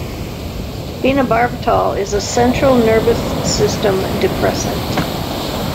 Phenobarbital is a central nervous system depressant.